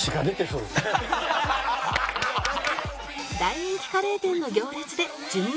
大人気カレー店の行列で順番待ち